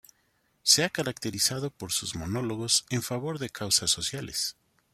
Se ha caracterizado por sus monólogos en favor de causas sociales.